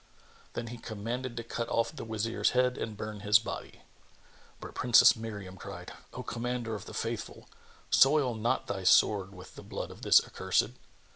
Then he commanded to cut off the Wazir's head and burn his body; but Princess Miriam cried, "O Commander of the Faithful, soil not thy sword with the blood of this accursed."